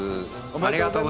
ありがとう